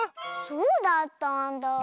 そうだったんだあ。